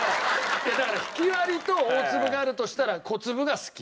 いやだからひきわりと大粒があるとしたら小粒が好き。